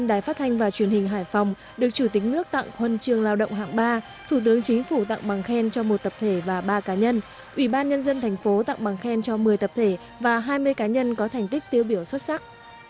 đài phát thanh và truyền hình hải phòng được chủ tịch nước tặng huân trường lao động hạng ba thủ tướng chính phủ tặng bằng khen cho một tập thể và ba cá nhân ủy ban nhân dân thành phố tặng bằng khen cho một mươi tập thể và hai mươi cá nhân có thành tích tiêu biểu xuất sắc